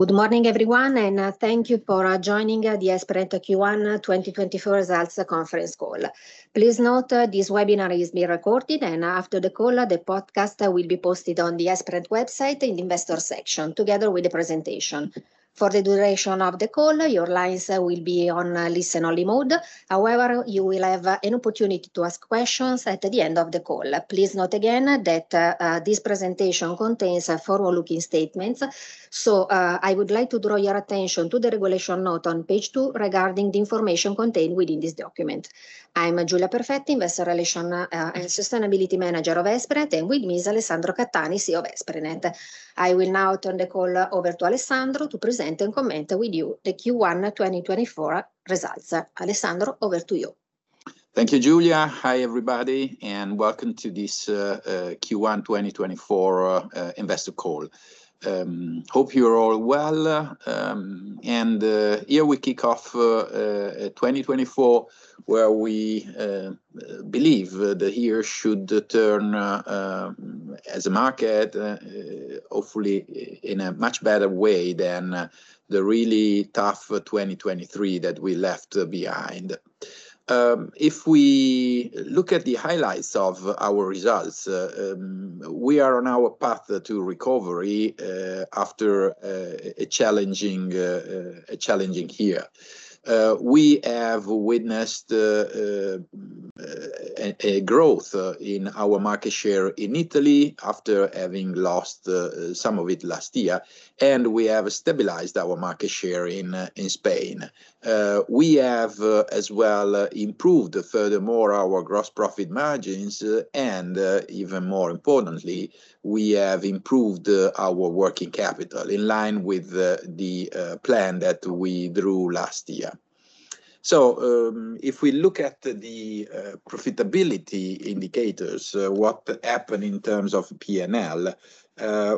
Good morning everyone, thank you for joining the Esprinet Q1 2024 Results Conference call. Please note this webinar is being recorded, and after the call, the podcast will be posted on the Esprinet website in the investor section together with the presentation. For the duration of the call, your lines will be on listen only mode. However, you will have an opportunity to ask questions at the end of the call. Please note again that this presentation contains forward-looking statements, so I would like to draw your attention to the regulation note on page two regarding the information contained within this document. I'm Giulia Perfetti, Investor Relations & Sustainability Manager of Esprinet, and with me is Alessandro Cattani, CEO of Esprinet. I will now turn the call over to Alessandro to present and comment with you the Q1 2024 results. Alessandro, over to you. Thank you, Giulia. Hi everybody, and welcome to this Q1 2024 investor call. Hope you're all well. Here we kick off 2024, where we believe the year should turn as a market, hopefully in a much better way than the really tough 2023 that we left behind. If we look at the highlights of our results, we are on our path to recovery after a challenging year. We have witnessed a growth in our market share in Italy after having lost some of it last year. We have stabilized our market share in Spain. We have as well improved furthermore our gross profit margins. Even more importantly, we have improved our working capital in line with the plan that we drew last year. If we look at the profitability indicators, what happened in terms of P&L,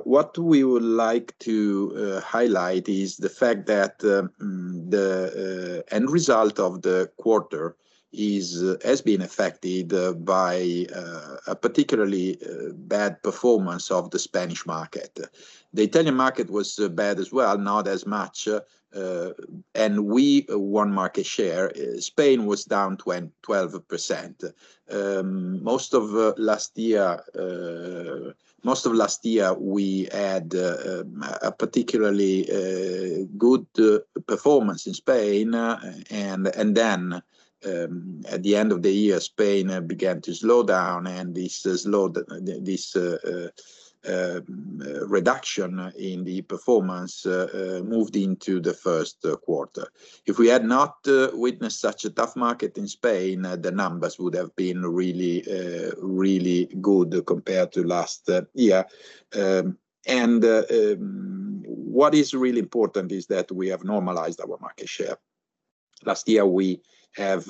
what we would like to highlight is the fact that the end result of the quarter has been affected by a particularly bad performance of the Spanish market. The Italian market was bad as well, not as much, and we won market share. Spain was down 12%. Most of last year, we had a particularly good performance in Spain, and then at the end of the year, Spain began to slow down, and this reduction in the performance moved into the first quarter. If we had not witnessed such a tough market in Spain, the numbers would have been really good compared to last year. What is really important is that we have normalized our market share. Last year, we have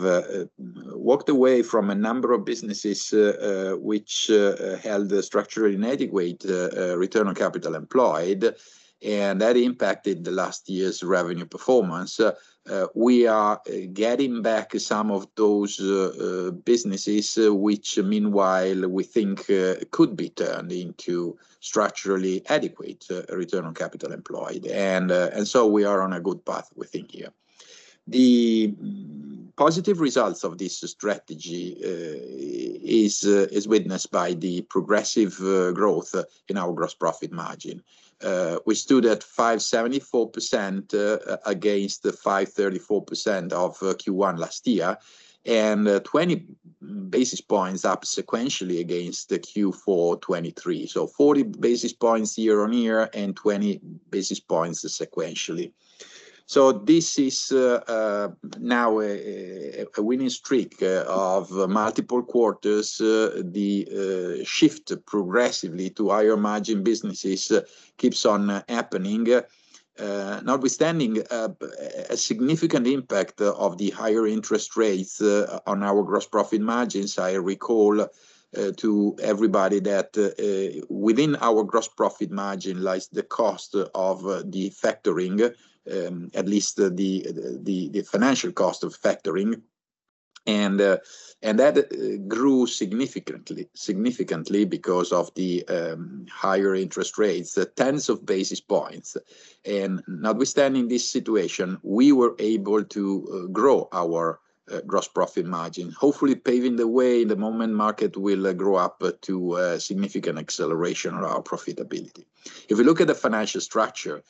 walked away from a number of businesses, which held a structurally inadequate return on capital employed, and that impacted the last year's revenue performance. We are getting back some of those businesses, which meanwhile we think could be turned into structurally adequate return on capital employed. We are on a good path we think here. The positive results of this strategy is witnessed by the progressive growth in our gross profit margin. We stood at 5.74% against the 5.34% of Q1 last year, 20 basis points up sequentially against the Q4 2023. 40 basis points year-over-year and 20 basis points sequentially. This is now a winning streak of multiple quarters. The shift progressively to higher margin businesses keeps on happening, notwithstanding a significant impact of the higher interest rates on our gross profit margins. I recall to everybody that within our gross profit margin lies the cost of the factoring, at least the financial cost of factoring, that grew significantly because of the higher interest rates, tens of basis points. Notwithstanding this situation, we were able to grow our gross profit margin, hopefully paving the way the moment market will grow up to a significant acceleration of our profitability. If we look at the financial structure,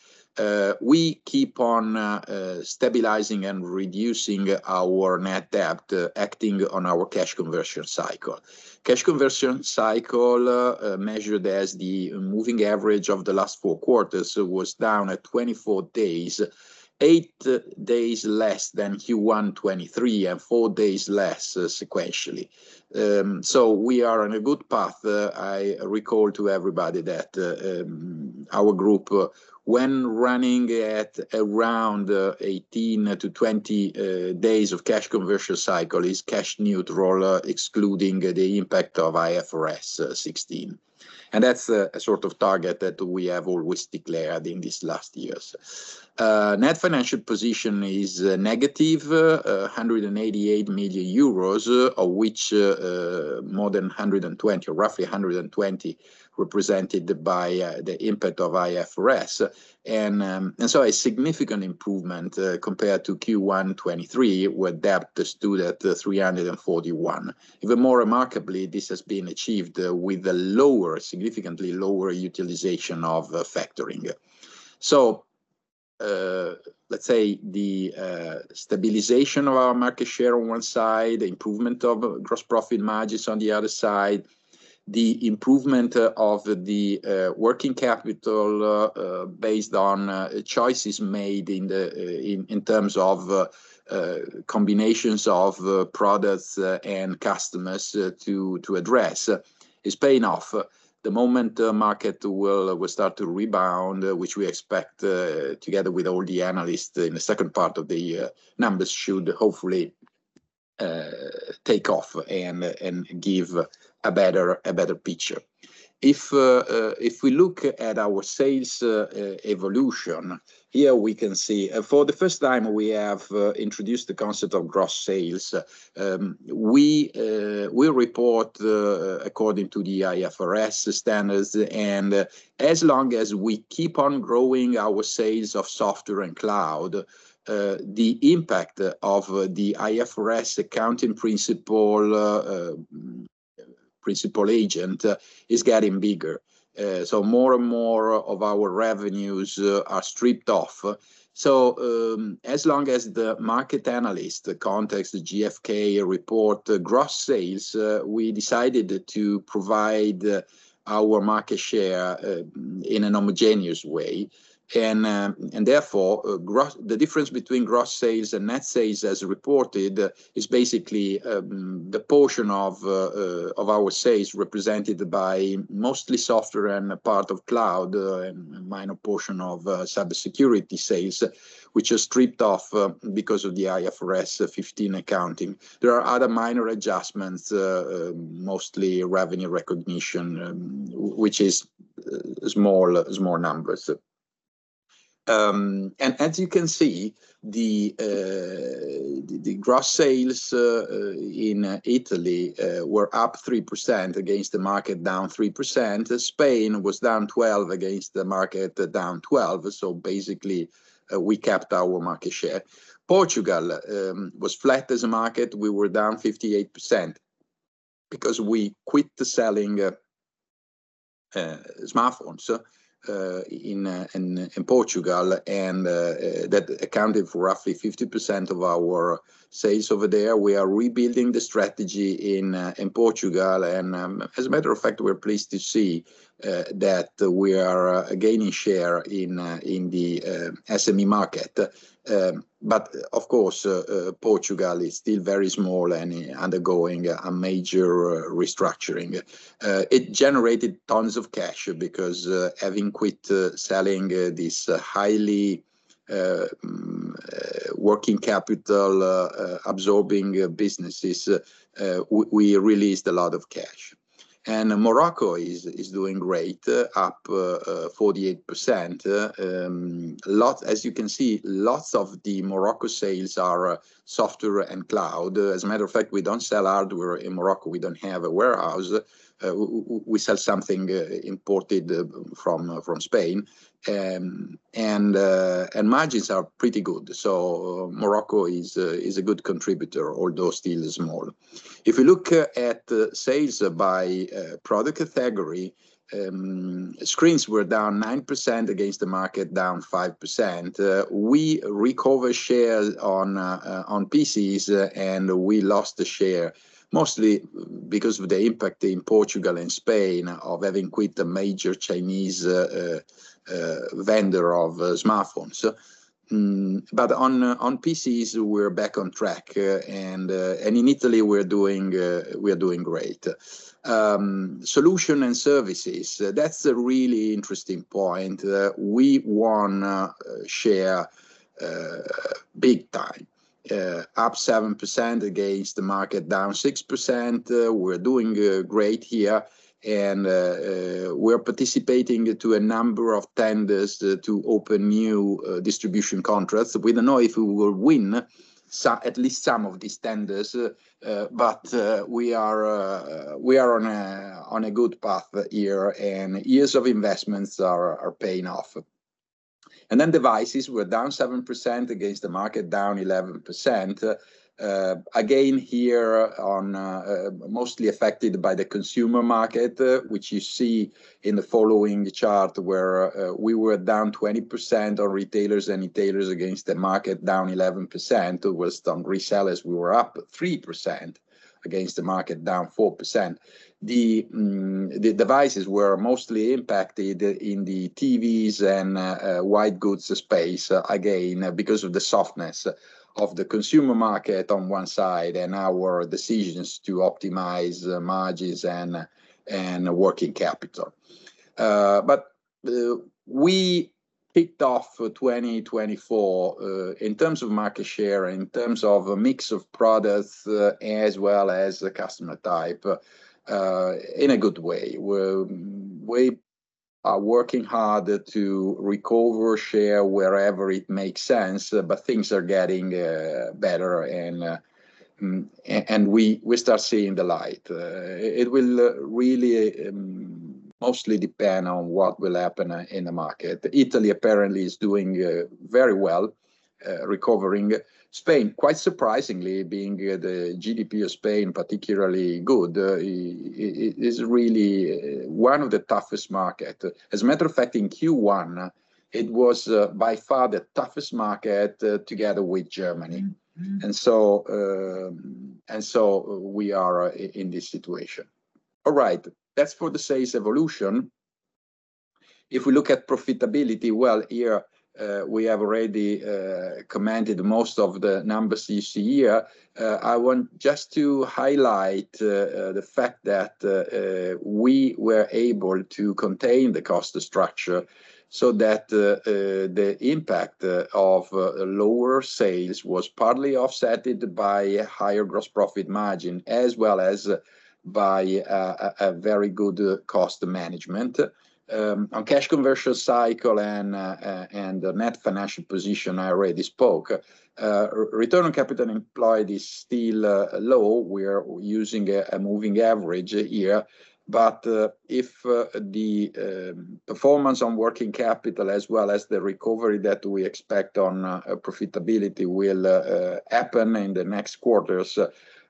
we keep on stabilizing and reducing our net debt, acting on our cash conversion cycle. Cash conversion cycle, measured as the moving average of the last four quarters, was down at 24 days, eight days less than Q1 2023, and four days less sequentially. We are on a good path. I recall to everybody that our group, when running at around 18-20 days of cash conversion cycle, is cash neutral, excluding the impact of IFRS 16, and that's a sort of target that we have always declared in these last years. Net financial position is negative 188 million euros, of which more than roughly 120 represented by the impact of IFRS. A significant improvement compared to Q1 2023, where debt stood at 341 million. Even more remarkably, this has been achieved with a significantly lower utilization of factoring. Let's say the stabilization of our market share on one side, the improvement of gross profit margins on the other side, the improvement of the working capital based on choices made in terms of combinations of products and customers to address is paying off. The moment the market will start to rebound, which we expect together with all the analysts in the second part of the year, numbers should hopefully take off and give a better picture. If we look at our sales evolution, here we can see for the first time we have introduced the concept of gross sales. We report according to the IFRS standards, and as long as we keep on growing our sales of software and cloud, the impact of the IFRS accounting principal agent is getting bigger. More and more of our revenues are stripped off. As long as the market analyst, the Context, the GfK report gross sales, we decided to provide our market share in a homogeneous way. Therefore, the difference between gross sales and net sales as reported is basically the portion of our sales represented by mostly software and a part of cloud, a minor portion of cybersecurity sales, which are stripped off because of the IFRS 15 accounting. There are other minor adjustments, mostly revenue recognition, which is small numbers. As you can see, the gross sales in Italy were up 3% against the market down 3%. Spain was down 12 against the market down 12, so basically we kept our market share. Portugal was flat as a market. We were down 58% because we quit selling smartphones in Portugal, and that accounted for roughly 50% of our sales over there. We are rebuilding the strategy in Portugal, and as a matter of fact, we're pleased to see that we are gaining share in the SME market. Of course, Portugal is still very small and undergoing a major restructuring. It generated tons of cash because having quit selling these highly working capital-absorbing businesses, we released a lot of cash. Morocco is doing great, up 48%. As you can see, lots of the Morocco sales are software and cloud. As a matter of fact, we don't sell hardware in Morocco. We don't have a warehouse. We sell something imported from Spain. Margins are pretty good, so Morocco is a good contributor, although still small. If you look at sales by product category, screens were down 9% against the market down 5%. We recover share on PCs, and we lost share mostly because of the impact in Portugal and Spain of having quit a major Chinese vendor of smartphones. On PCs, we're back on track, and in Italy, we're doing great. Solution and services, that's a really interesting point. We won share big time, up 7% against the market down 6%. We're doing great here, and we're participating to a number of tenders to open new distribution contracts. We don't know if we will win at least some of these tenders, but we are on a good path here. Years of investments are paying off. Then devices were down 7% against the market down 11%. Again, here, mostly affected by the consumer market, which you see in the following chart where we were down 20% on retailers against the market down 11%, while on resellers, we were up 3% against the market down 4%. The devices were mostly impacted in the TVs and wide goods space, again, because of the softness of the consumer market on one side and our decisions to optimize margins and working capital. We kicked off 2024 in terms of market share, in terms of mix of products, as well as the customer type in a good way are working hard to recover share wherever it makes sense, but things are getting better, and we start seeing the light. It will really mostly depend on what will happen in the market. Italy apparently is doing very well recovering. Spain, quite surprisingly, being the GDP of Spain, particularly good, it is really one of the toughest market. As a matter of fact, in Q1, it was by far the toughest market together with Germany. We are in this situation. All right. That's for the sales evolution. If we look at profitability, well, here we have already commanded most of the numbers this year. I want just to highlight the fact that we were able to contain the cost structure so that the impact of lower sales was partly offset by higher gross profit margin, as well as by a very good cost management. On cash conversion cycle and net financial position, I already spoke. Return on capital employed is still low. We are using a moving average here, but if the performance on working capital as well as the recovery that we expect on profitability will happen in the next quarters,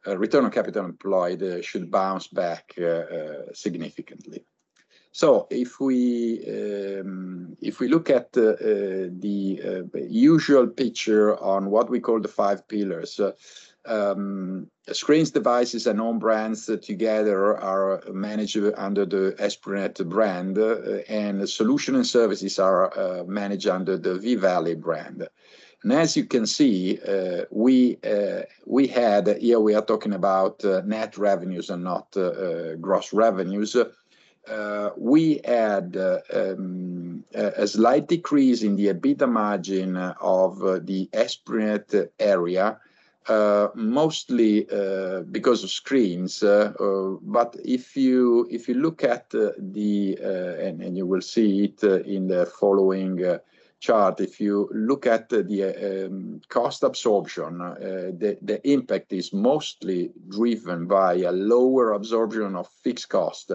return on capital employed should bounce back significantly. If we look at the usual picture on what we call the five pillars, screens, devices, and own brands together are managed under the Esprinet brand, and solution and services are managed under the V-Valley brand. As you can see, here we are talking about net revenues and not gross revenues. We had a slight decrease in the EBITDA margin of the Esprinet area, mostly because of screens. You will see it in the following chart, if you look at the cost absorption, the impact is mostly driven by a lower absorption of fixed cost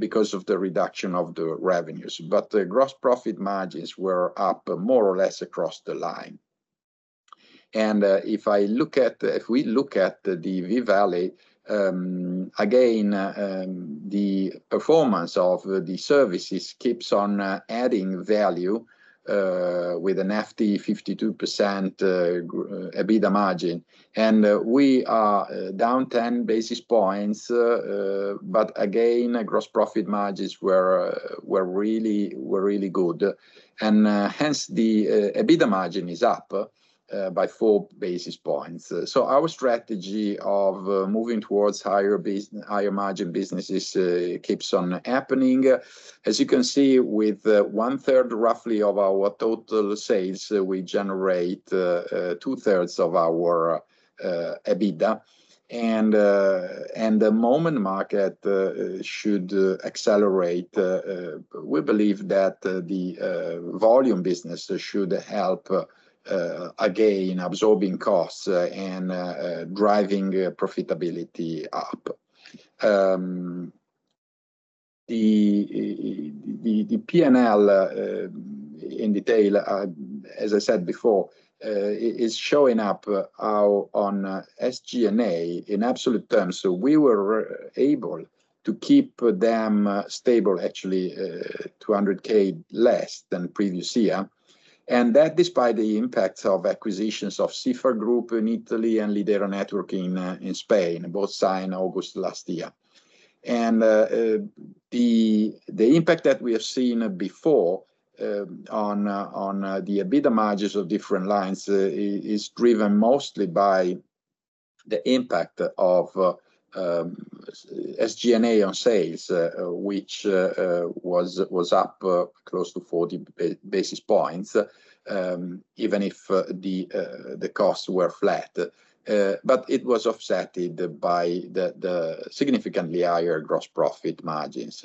because of the reduction of the revenues. The gross profit margins were up more or less across the line. If we look at the V-Valley, again, the performance of the services keeps on adding value, with a nifty 52% EBITDA margin. We are down 10 basis points, but again, gross profit margins were really good. Hence, the EBITDA margin is up by four basis points. Our strategy of moving towards higher margin businesses keeps on happening. As you can see, with one third, roughly, of our total sales, we generate two thirds of our EBITDA. The moment market should accelerate, we believe that the volume business should help again absorbing costs and driving profitability up. The P&L in detail, as I said before, is showing up on SG&A in absolute terms. We were able to keep them stable, actually 200K less than previous year. That despite the impact of acquisitions of Sifar Group in Italy and Lidera Network in Spain, both signed August last year. The impact that we have seen before on the EBITDA margins of different lines is driven mostly by the impact of SG&A on sales, which was up close to 40 basis points, even if the costs were flat. It was offset by the significantly higher gross profit margins.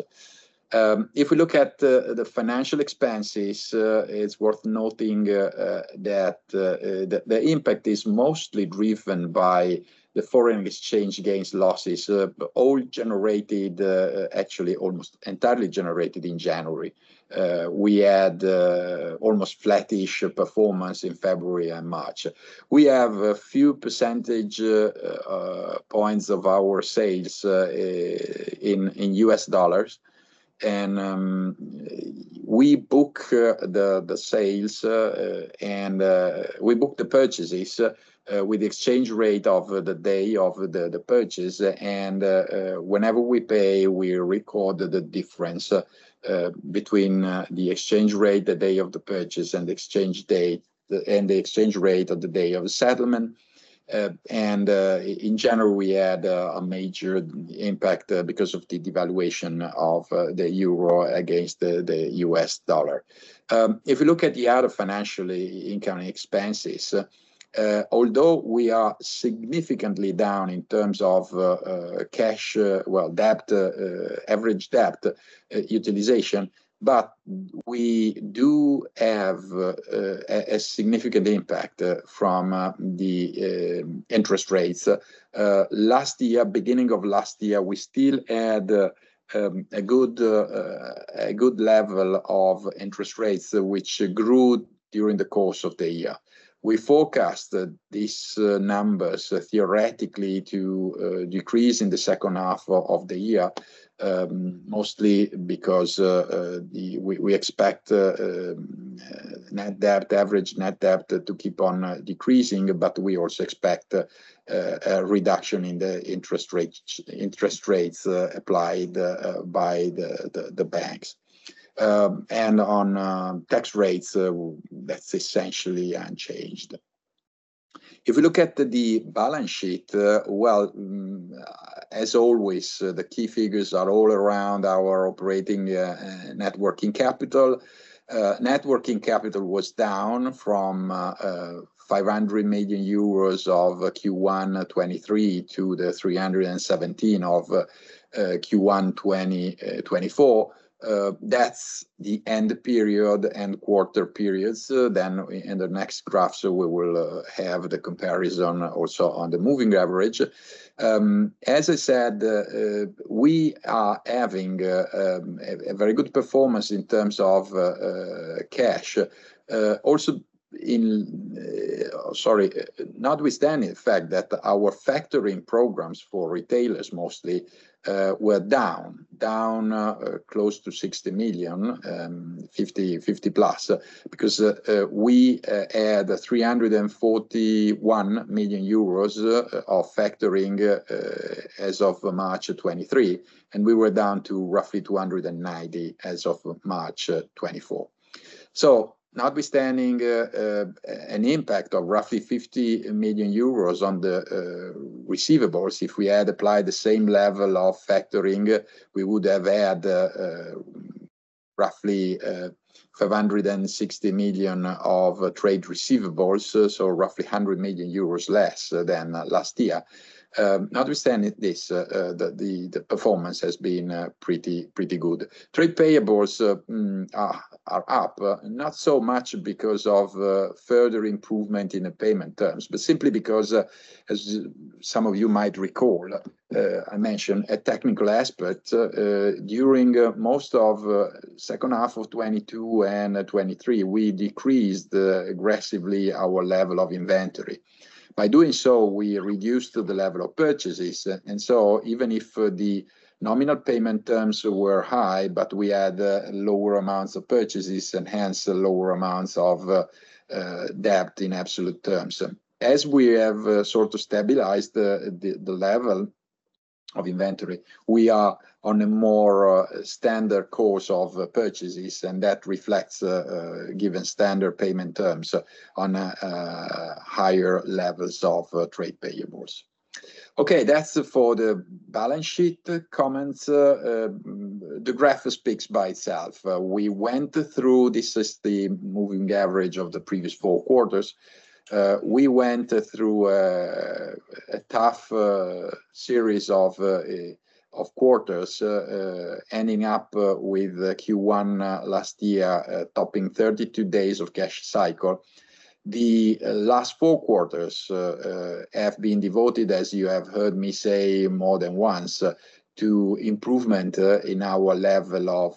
If we look at the financial expenses, it's worth noting that the impact is mostly driven by the foreign exchange gains losses, all generated, actually almost entirely generated in January. We had almost flattish performance in February and March. We have a few percentage points of our sales in U.S. dollars, and we book the purchases with exchange rate of the day of the purchase, and whenever we pay, we record the difference between the exchange rate the day of the purchase and the exchange rate of the day of settlement. In general, we had a major impact because of the devaluation of the euro against the U.S. dollar. If you look at the other financial income expenses, although we are significantly down in terms of cash, well, average debt utilization, but we do have a significant impact from the interest rates. Beginning of last year, we still had a good level of interest rates, which grew during the course of the year. We forecast these numbers theoretically to decrease in the second half of the year, mostly because we expect net debt, average net debt to keep on decreasing. We also expect a reduction in the interest rates applied by the banks. On tax rates, that's essentially unchanged. If we look at the balance sheet, well, as always, the key figures are all around our operating net working capital. Net working capital was down from 500 million euros of Q1 2023 to 317 million of Q1 2024. That's the end period, end quarter periods. In the next graph, we will have the comparison also on the moving average. As I said, we are having a very good performance in terms of cash. Notwithstanding the fact that our factoring programs for retailers mostly, were down, close to 60 million, 50 million plus. Because we had 341 million euros of factoring as of March 2023, and we were down to roughly 290 million as of March 2024. Notwithstanding an impact of roughly 50 million euros on the receivables, if we had applied the same level of factoring, we would have had roughly 560 million of trade receivables, so roughly 100 million euros less than last year. Notwithstanding this, the performance has been pretty good. Trade payables are up, not so much because of further improvement in the payment terms, but simply because, as some of you might recall, I mentioned a technical aspect, during most of second half of 2022 and 2023, we decreased aggressively our level of inventory. By doing so, we reduced the level of purchases. Even if the nominal payment terms were high, but we had lower amounts of purchases and hence lower amounts of debt in absolute terms. As we have sort of stabilized the level of inventory, we are on a more standard course of purchases, and that reflects, given standard payment terms on higher levels of trade payables. That's it for the balance sheet comments. The graph speaks by itself. We went through, this is the moving average of the previous four quarters. We went through a tough series of quarters, ending up with Q1 last year, topping 32 days of cash cycle. The last four quarters have been devoted, as you have heard me say more than one, to improvement in our level of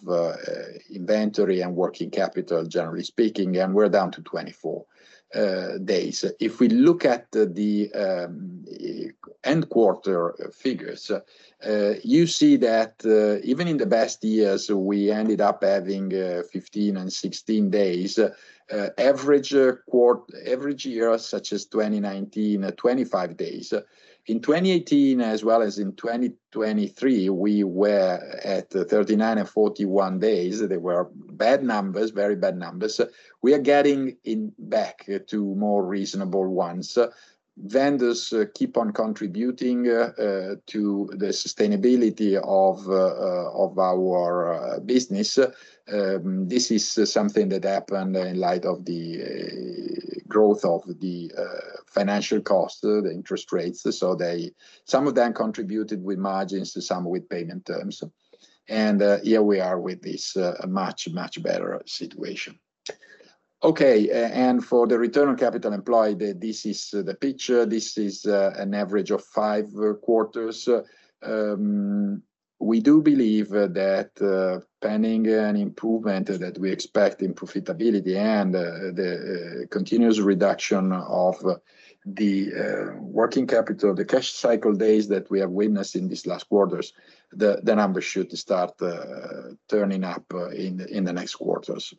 inventory and working capital, generally speaking, and we're down to 24 days. If we look at the end quarter figures, you see that even in the best years, we ended up having 15 and 16 days. Average year such as 2019, 25 days. In 2018, as well as in 2023, we were at 39 and 41 days. They were bad numbers, very bad numbers. We are getting back to more reasonable ones. Vendors keep on contributing to the sustainability of our business. This is something that happened in light of the growth of the financial cost, the interest rates. Some of them contributed with margins, some with payment terms. Here we are with this much, much better situation. For the return on capital employed, this is the picture. This is an average of five quarters. We do believe that pending an improvement that we expect in profitability and the continuous reduction of the working capital, the cash cycle days that we have witnessed in these last quarters, the numbers should start turning up in the next quarters.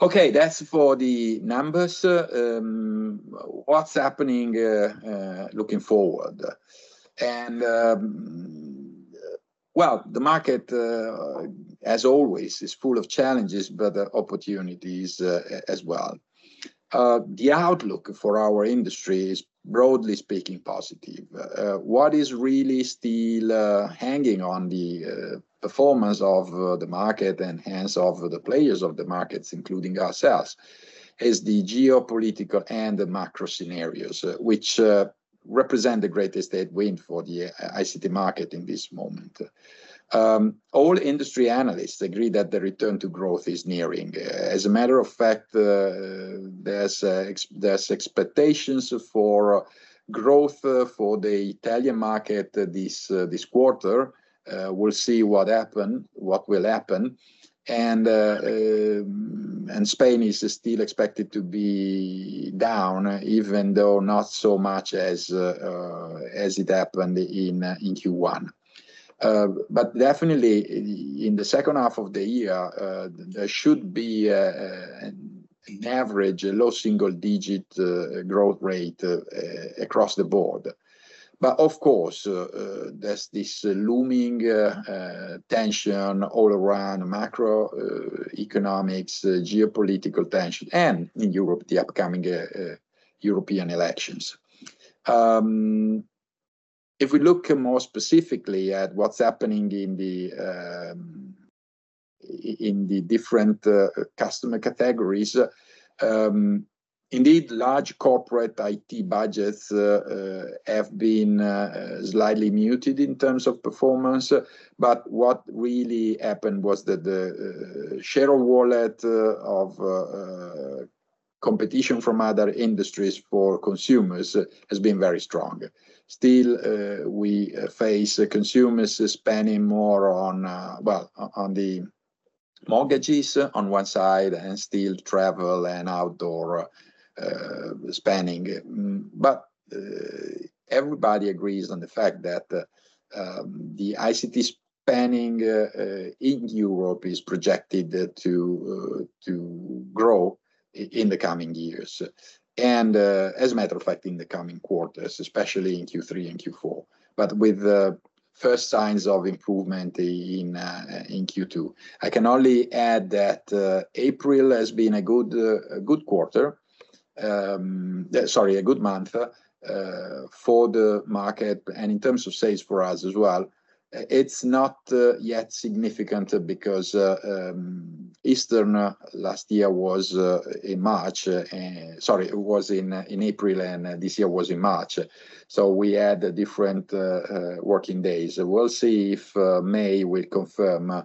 Okay, that's for the numbers. What's happening looking forward? Well, the market as always, is full of challenges, but opportunities as well. The outlook for our industry is, broadly speaking, positive. What is really still hanging on the performance of the market and hence of the players of the markets, including ourselves, is the geopolitical and the macro scenarios, which represent the greatest headwind for the ICT market in this moment. All industry analysts agree that the return to growth is nearing. As a matter of fact, there's expectations for growth for the Italian market this quarter. We'll see what will happen. Spain is still expected to be down, even though not so much as it happened in Q1. Definitely in the second half of the year, there should be an average low single-digit growth rate across the board. Of course, there's this looming tension all around macroeconomics, geopolitical tension, and in Europe, the upcoming European elections. If we look more specifically at what's happening in the different customer categories, indeed large corporate IT budgets have been slightly muted in terms of performance. What really happened was that the share of wallet of competition from other industries for consumers has been very strong. We face consumers spending more on the mortgages on one side, and still travel and outdoor spending. Everybody agrees on the fact that the ICT spending in Europe is projected to grow in the coming years, and as a matter of fact, in the coming quarters, especially in Q3 and Q4, with first signs of improvement in Q2. I can only add that April has been a good month for the market and in terms of sales for us as well. It's not yet significant because Easter last year was in April, and this year was in March, so we had different working days. We'll see if May will confirm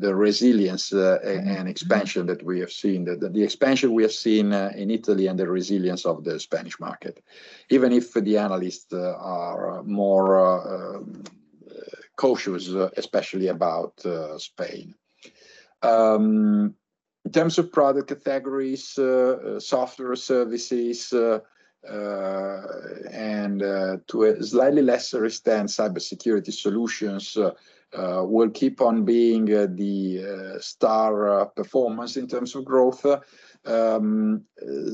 the resilience and expansion that we have seen, the expansion we have seen in Italy and the resilience of the Spanish market, even if the analysts are more cautious, especially about Spain. In terms of product categories, software services, and to a slightly lesser extent, cybersecurity solutions will keep on being the star performance in terms of growth.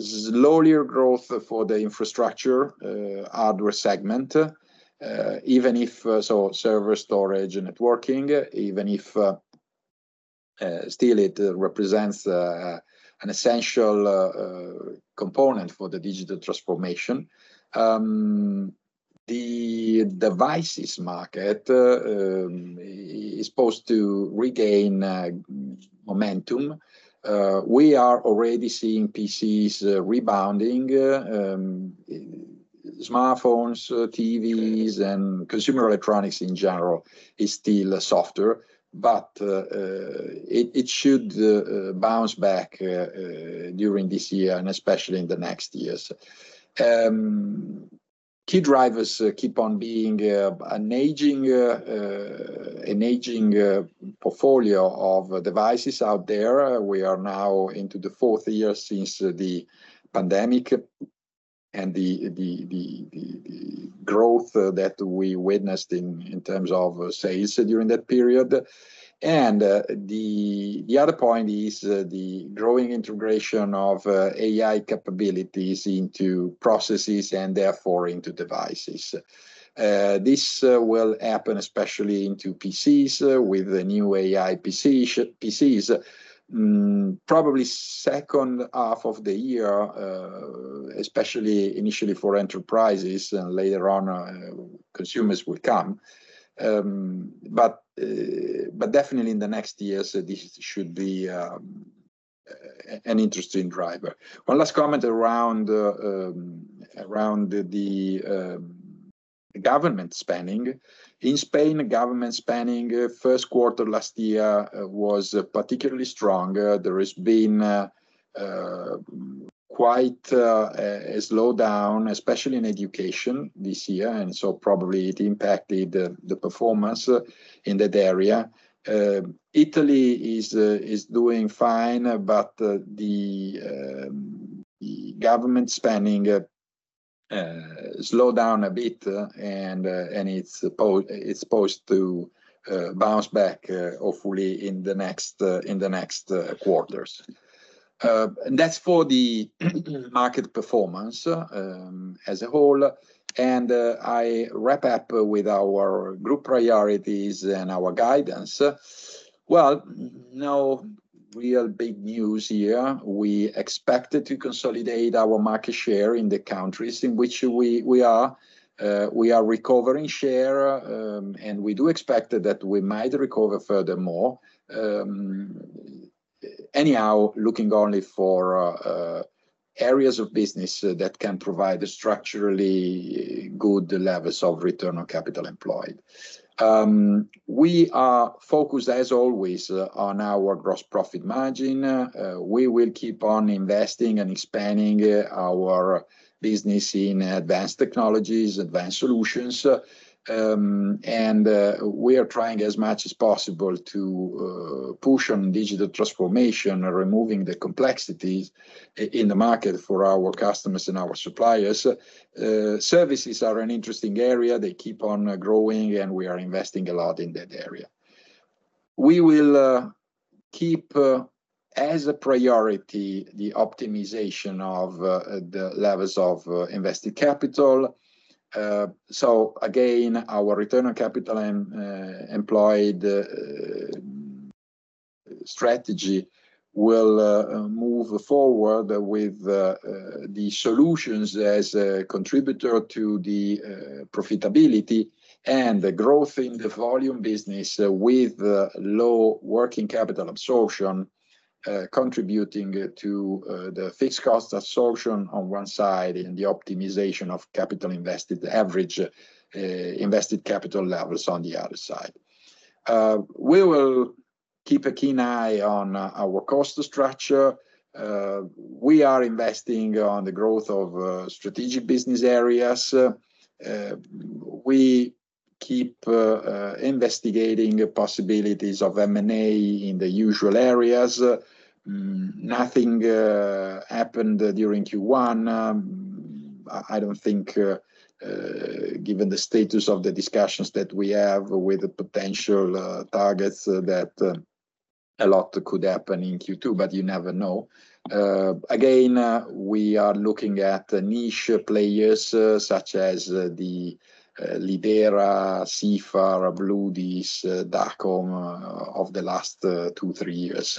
Slower growth for the infrastructure hardware segment, server storage, and networking, even if still it represents an essential component for the digital transformation. The devices market is supposed to regain momentum. We are already seeing PCs rebounding. Smartphones, TVs, and consumer electronics in general is still softer, but it should bounce back during this year and especially in the next years. Key drivers keep on being an aging portfolio of devices out there. We are now into the fourth year since the pandemic, and the growth that we witnessed in terms of sales during that period. The other point is the growing integration of AI capabilities into processes and therefore into devices. This will happen especially into PCs with the new AI PCs. Probably second half of the year, especially initially for enterprises, and later on consumers will come. Definitely in the next years, this should be an interesting driver. One last comment around the government spending. In Spain, government spending first quarter last year was particularly strong. There has been quite a slowdown, especially in education this year, and so probably it impacted the performance in that area. Italy is doing fine, but the government spending slowed down a bit and it's supposed to bounce back hopefully in the next quarters. That's for the market performance as a whole, and I wrap up with our group priorities and our guidance. Well, no real big news here. We expected to consolidate our market share in the countries in which we are recovering share, and we do expect that we might recover furthermore. Anyhow, looking only for areas of business that can provide structurally good levels of return on capital employed. We are focused, as always, on our gross profit margin. We will keep on investing and expanding our business in advanced technologies, advanced solutions, and we are trying as much as possible to push on digital transformation, removing the complexities in the market for our customers and our suppliers. Services are an interesting area. They keep on growing, and we are investing a lot in that area. We will keep as a priority the optimization of the levels of invested capital. Again, our return on capital employed strategy will move forward with the solutions as a contributor to the profitability and the growth in the volume business with low working capital absorption, contributing to the fixed cost absorption on one side, and the optimization of average invested capital levels on the other side. We will keep a keen eye on our cost structure. We are investing on the growth of strategic business areas. We keep investigating possibilities of M&A in the usual areas. Nothing happened during Q1. I don't think, given the status of the discussions that we have with the potential targets, that a lot could happen in Q2, but you never know. Again, we are looking at niche players such as the Lidera, Sifar, Bludis, Dacom of the last two, three years.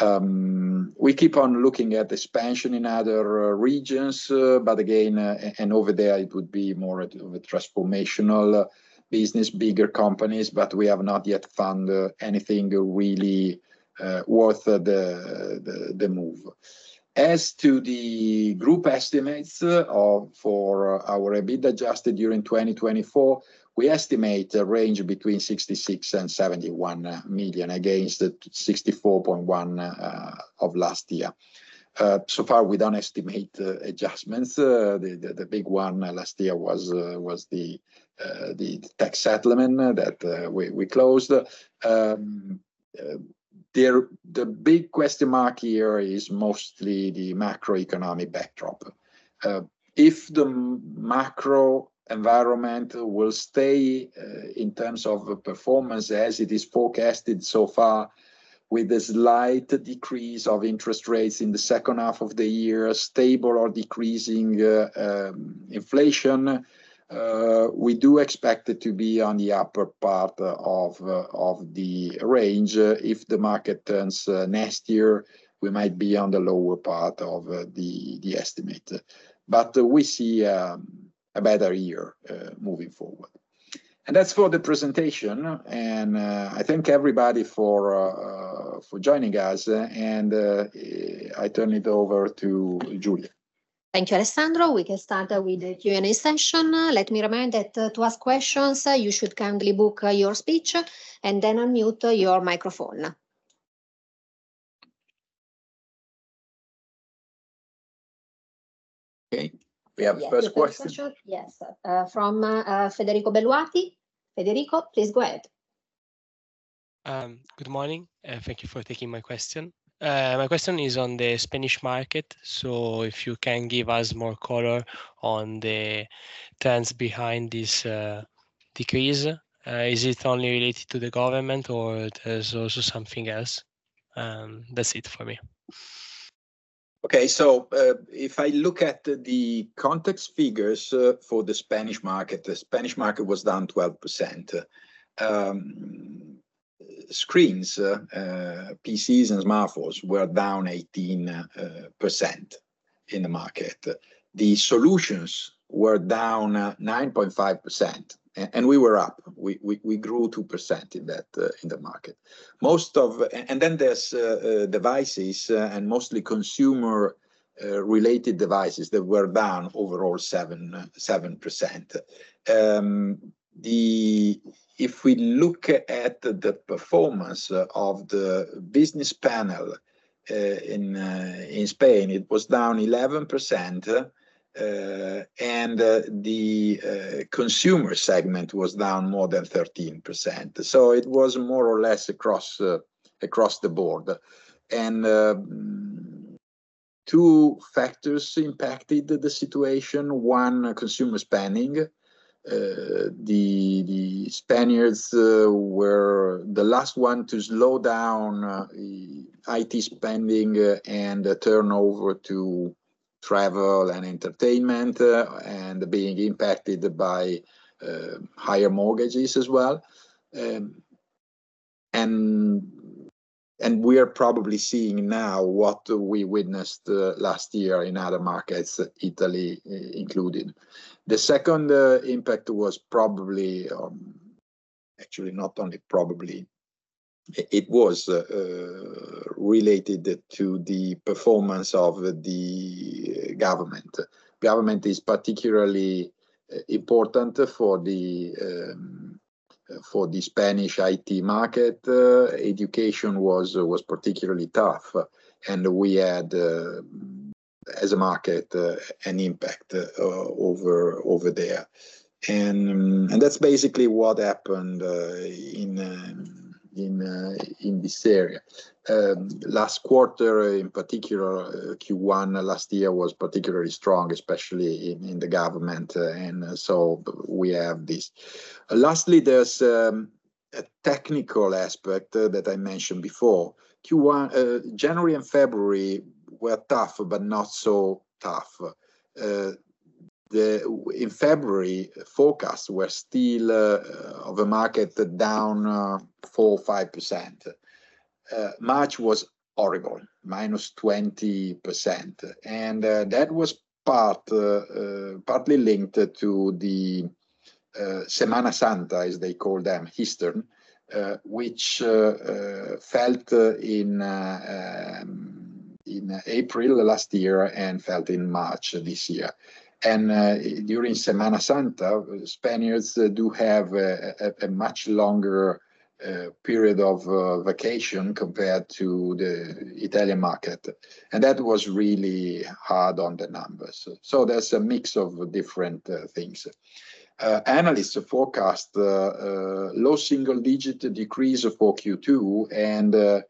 We keep on looking at expansion in other regions, but again, and over there it would be more of a transformational business, bigger companies, but we have not yet found anything really worth the move. As to the group estimates for our EBIT adjusted during 2024, we estimate a range between 66 million and 71 million against the 64.1 million of last year. So far, we don't estimate adjustments. The big one last year was the tax settlement that we closed. The big question mark here is mostly the macroeconomic backdrop. If the macro environment will stay in terms of performance as it is forecasted so far, with a slight decrease of interest rates in the second half of the year, stable or decreasing inflation, we do expect it to be on the upper part of the range. If the market turns nastier, we might be on the lower part of the estimate, but we see a better year moving forward. That's for the presentation, and I thank everybody for joining us, and I turn it over to Giulia. Thank you, Alessandro. We can start with the Q&A session. Let me remind that to ask questions, you should kindly book your speech and then unmute your microphone. Okay. We have the first question. Yes. From Federico Belluati. Federico, please go ahead. Good morning. Thank you for taking my question. My question is on the Spanish market. If you can give us more color on the trends behind this decrease. Is it only related to the government or there's also something else? That's it for me. Okay, if I look at the Context figures for the Spanish market, the Spanish market was down 12%. Screens, PCs and smartphones were down 18% in the market. The solutions were down 9.5%, and we were up. We grew 2% in the market. Then there's devices, and mostly consumer-related devices that were down overall 7%. If we look at the performance of the business panel in Spain, it was down 11%, and the consumer segment was down more than 13%. It was more or less across the board. Two factors impacted the situation. One, consumer spending. The Spaniards were the last one to slow down IT spending and turnover to travel and entertainment, and being impacted by higher mortgages as well. We are probably seeing now what we witnessed last year in other markets, Italy included. The second impact was probably, actually not only probably, it was related to the performance of the government. Government is particularly important for the Spanish IT market. Education was particularly tough, and we had as a market, an impact over there. That's basically what happened in this area. Last quarter, in particular, Q1 last year was particularly strong, especially in the government. We have this. Lastly, there's a technical aspect that I mentioned before. January and February were tough, but not so tough. In February, forecasts were still of a market down 4%, 5%. March was horrible, minus 20%, and that was partly linked to the Semana Santa, as they call them, Easter, which fell in April last year and fell in March this year. During Semana Santa, Spaniards do have a much longer period of vacation compared to the Italian market, and that was really hard on the numbers. There's a mix of different things. Analysts forecast low single-digit decrease for Q2 and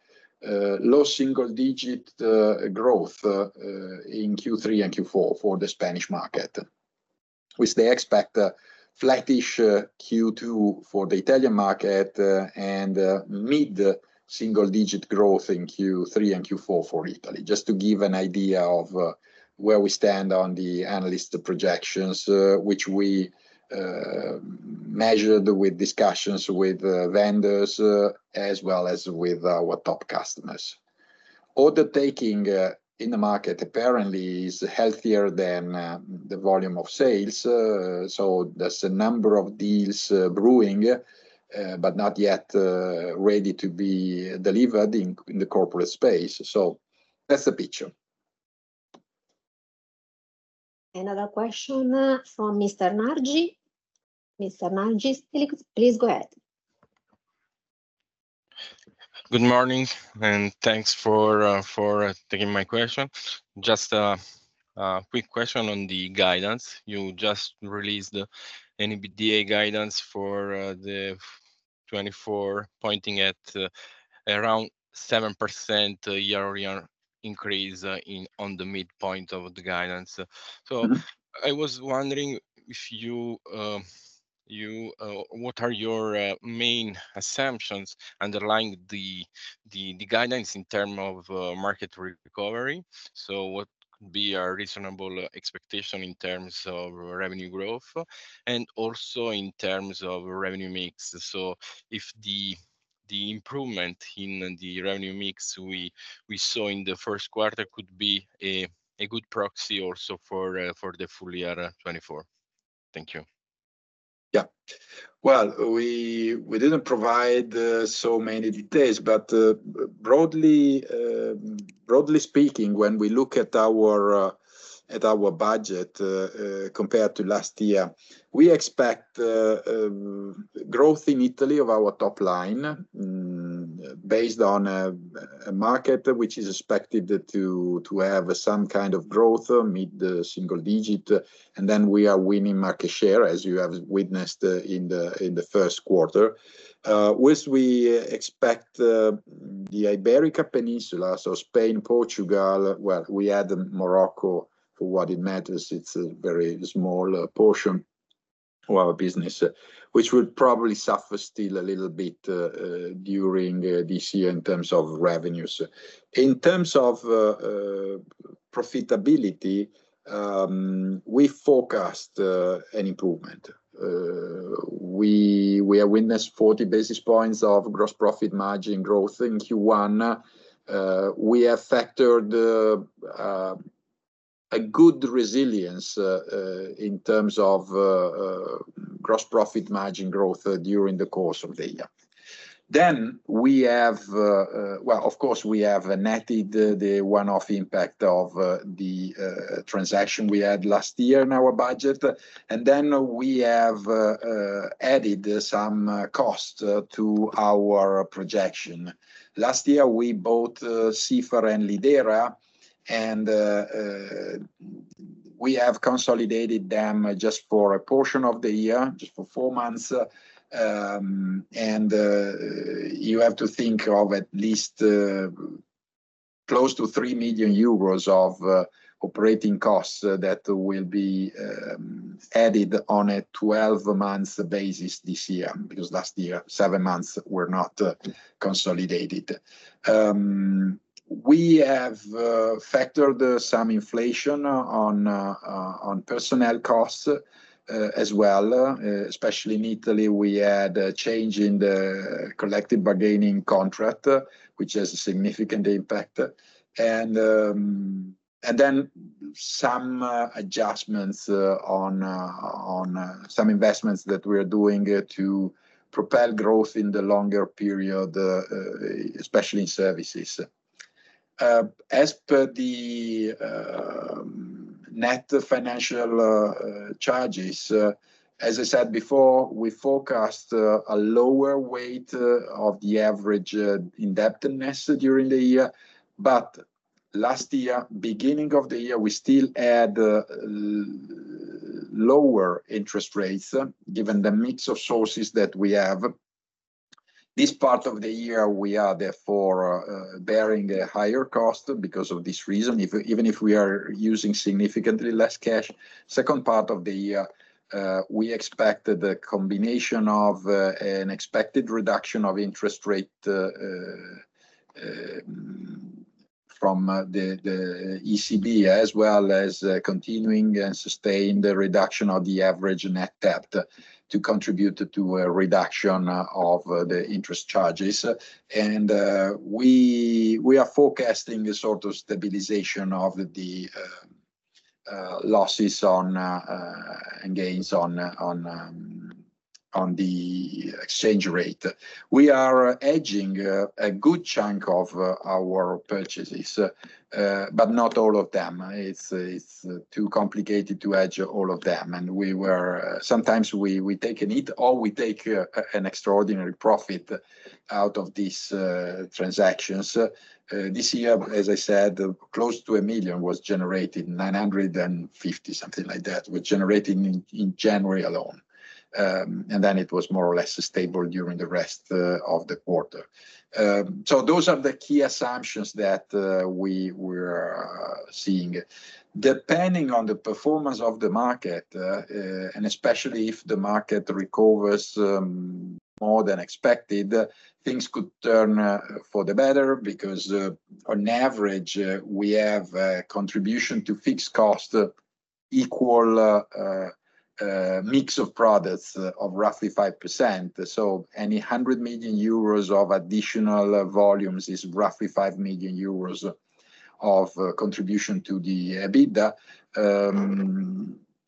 low single-digit growth in Q3 and Q4 for the Spanish market, which they expect flat-ish Q2 for the Italian market and mid-single digit growth in Q3 and Q4 for Italy. Just to give an idea of where we stand on the analyst projections, which we measured with discussions with vendors as well as with our top customers. Order taking in the market apparently is healthier than the volume of sales, so there's a number of deals brewing, but not yet ready to be delivered in the corporate space. That's the picture. Another question from Mr. Nargi. Mr. Nargi, please go ahead. Good morning. Thanks for taking my question. Just a quick question on the guidance. You just released the EBITDA guidance for 2024, pointing at around 7% year-over-year increase on the midpoint of the guidance. I was wondering what are your main assumptions underlying the guidance in term of market recovery. What could be a reasonable expectation in terms of revenue growth and also in terms of revenue mix? If the improvement in the revenue mix we saw in the first quarter could be a good proxy also for the full year 2024. Thank you. We didn't provide so many details, broadly speaking, when we look at our budget compared to last year, we expect growth in Italy of our top line based on a market which is expected to have some kind of growth, mid-single digit, and then we are winning market share, as you have witnessed in the first quarter, which we expect the Iberian Peninsula, so Spain, Portugal, well, we add Morocco, for what it matters, it's a very small portion of our business, which would probably suffer still a little bit during this year in terms of revenues. In terms of profitability, we forecast an improvement. We have witnessed 40 basis points of gross profit margin growth in Q1. We have factored a good resilience in terms of gross profit margin growth during the course of the year. Of course, we have netted the one-off impact of the transaction we had last year in our budget, and we have added some cost to our projection. Last year, we bought Sifar and Lidera, we have consolidated them just for a portion of the year, just for four months. You have to think of at least close to 3 million euros of operating costs that will be added on a 12 months basis this year, because last year, seven months were not consolidated. We have factored some inflation on personnel costs as well, especially in Italy, we had a change in the collective bargaining contract, which has a significant impact. Some adjustments on some investments that we're doing to propel growth in the longer period, especially in services. As per the net financial charges, as I said before, we forecast a lower weight of the average indebtedness during the year, but last year, beginning of the year, we still had lower interest rates given the mix of sources that we have. This part of the year, we are therefore bearing a higher cost because of this reason, even if we are using significantly less cash. Second part of the year, we expect the combination of an expected reduction of interest rate from the ECB, as well as continuing and sustaining the reduction of the average net debt to contribute to a reduction of the interest charges. We are forecasting a sort of stabilization of the losses and gains on the exchange rate. We are hedging a good chunk of our purchases, but not all of them. It's too complicated to hedge all of them. Sometimes we take a hit, or we take an extraordinary profit out of these transactions. This year, as I said, close to 1 million was generated, 950,000, something like that, was generated in January alone. It was more or less stable during the rest of the quarter. Those are the key assumptions that we were seeing. Depending on the performance of the market, and especially if the market recovers more than expected, things could turn for the better, because on average, we have a contribution to fixed cost equal mix of products of roughly 5%. Any 100 million euros of additional volumes is roughly 5 million euros of contribution to the EBITDA.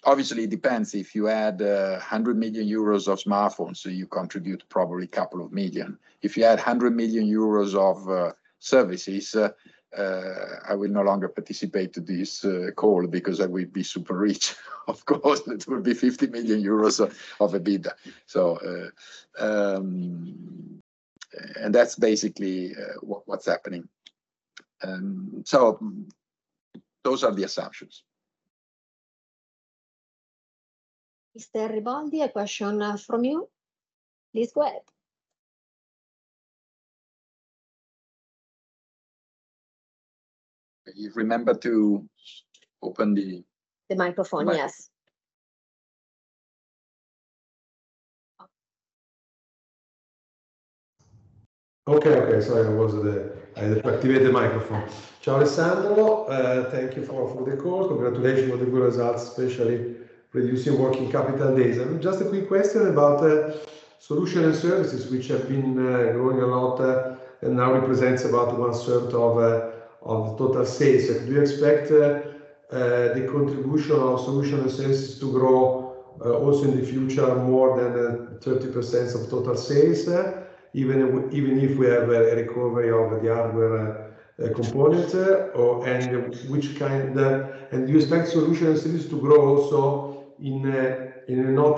Obviously, it depends. If you add 100 million euros of smartphones, so you contribute probably a couple of million EUR. If you add 100 million euros of services, I will no longer participate to this call because I will be super rich. Of course, it will be 50 million euros of EBITDA. That's basically what's happening. Those are the assumptions. Mr. Riboldi, a question from you. Please go ahead. You remember to open the- The microphone, yes. Okay. Sorry, I had to activate the microphone. Ciao, Alessandro. Thank you for the call. Congratulations for the good results, especially reducing working capital days. Just a quick question about solution and services, which have been growing a lot and now represents about one third of the total sales. Do you expect the contribution of solution and services to grow also in the future, more than 30% of total sales, even if we have a recovery of the hardware components? Do you expect solutions to grow also? No,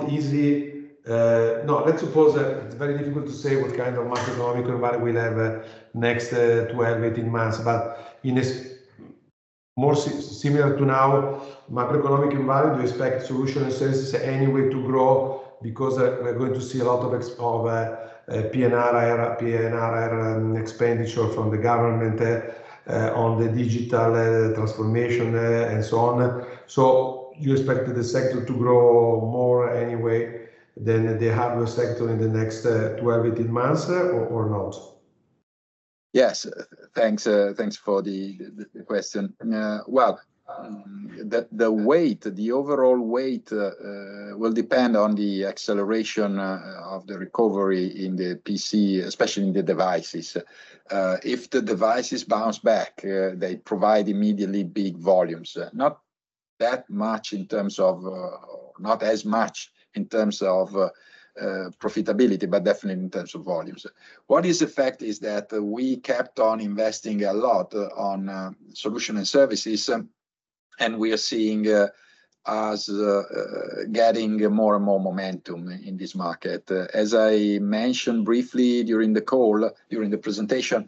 let's suppose it's very difficult to say what kind of macroeconomic environment we'll have next 12, 18 months, but more similar to now macroeconomic environment, do you expect solution and services anyway to grow? Because we're going to see a lot of PNRR expenditure from the government on the digital transformation and so on. You expect the sector to grow more anyway than the hardware sector in the next 12, 18 months, or not? Yes. Thanks for the question. Well, the overall weight will depend on the acceleration of the recovery in the PC, especially in the devices. If the devices bounce back, they provide immediately big volumes. Not as much in terms of profitability, but definitely in terms of volumes. What is a fact is that we kept on investing a lot on solution and services, and we are seeing us getting more and more momentum in this market. As I mentioned briefly during the call, during the presentation,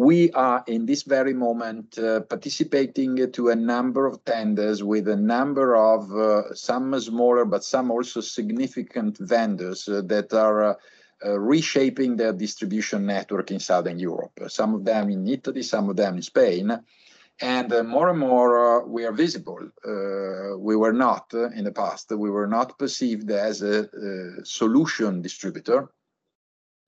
we are, in this very moment, participating to a number of tenders with a number of, some smaller, but some also significant vendors that are reshaping their distribution network in Southern Europe. Some of them in Italy, some of them in Spain. More and more, we are visible. In the past, we were not perceived as a solution distributor,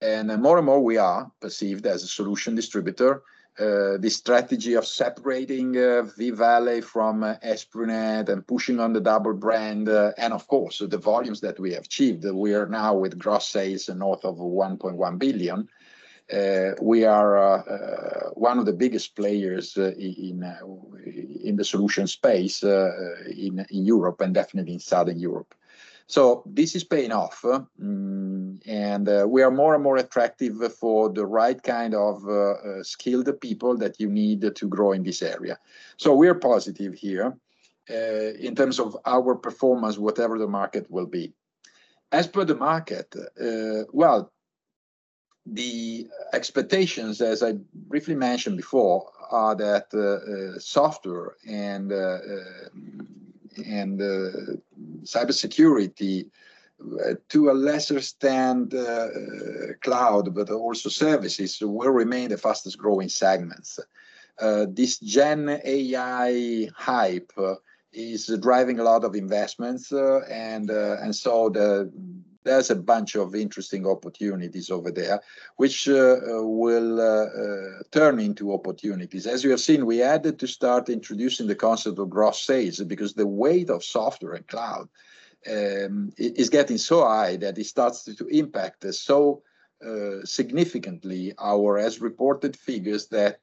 and more and more, we are perceived as a solution distributor. The strategy of separating V-Valley from Esprinet and pushing on the double brand, and of course, the volumes that we have achieved. We are now with gross sales north of 1.1 billion. We are one of the biggest players in the solution space in Europe, and definitely in Southern Europe. This is paying off. We are more and more attractive for the right kind of skilled people that you need to grow in this area. We are positive here, in terms of our performance, whatever the market will be. As per the market, well, the expectations, as I briefly mentioned before, are that software and cybersecurity, to a lesser extent cloud, but also services will remain the fastest-growing segments. This gen AI hype is driving a lot of investments. There's a bunch of interesting opportunities over there which will turn into opportunities. As you have seen, we had to start introducing the concept of gross sales because the weight of software and cloud is getting so high that it starts to impact so significantly our as-reported figures that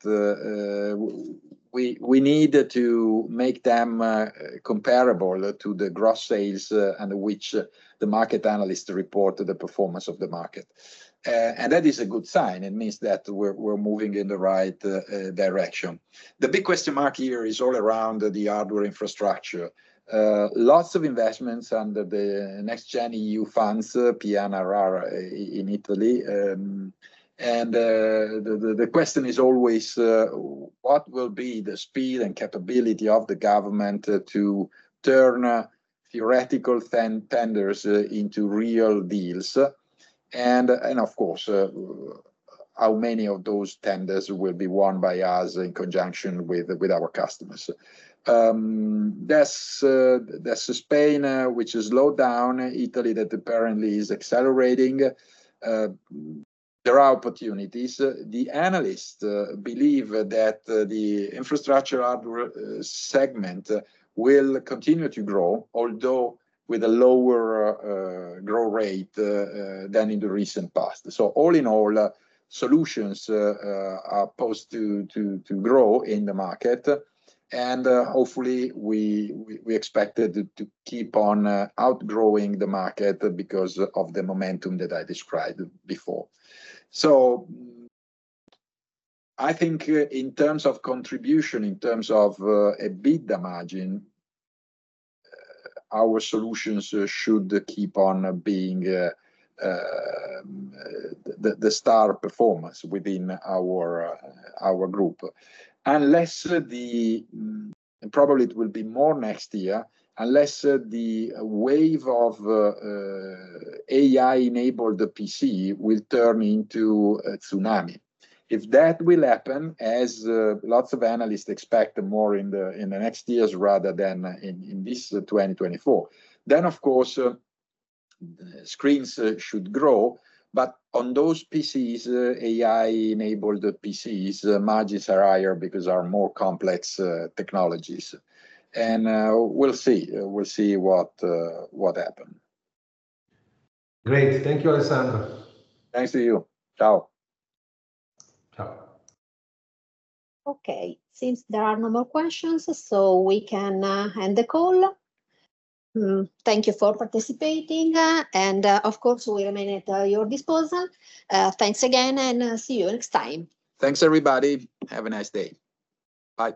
we need to make them comparable to the gross sales under which the market analysts report the performance of the market. That is a good sign. It means that we're moving in the right direction. The big question mark here is all around the hardware infrastructure. Lots of investments under the NextGenerationEU funds, PNRR, in Italy. The question is always what will be the speed and capability of the government to turn theoretical tenders into real deals? Of course, how many of those tenders will be won by us in conjunction with our customers? There's Spain, which has slowed down, Italy that apparently is accelerating. There are opportunities. The analysts believe that the infrastructure hardware segment will continue to grow, although with a lower growth rate than in the recent past. All in all, solutions are posed to grow in the market, and hopefully we expected to keep on outgrowing the market because of the momentum that I described before. I think in terms of contribution, in terms of a bigger margin, our solutions should keep on being the star performance within our group. Probably it will be more next year, unless the wave of AI-enabled PC will turn into a tsunami. If that will happen, as lots of analysts expect more in the next years rather than in this 2024, then, of course, screens should grow, but on those PCs, AI-enabled PCs, the margins are higher because they are more complex technologies. We'll see what happens. Great. Thank you, Alessandro. Thanks to you. Ciao. Ciao. Okay, since there are no more questions, we can end the call. Thank you for participating, and of course, we remain at your disposal. Thanks again, and see you next time. Thanks, everybody. Have a nice day. Bye.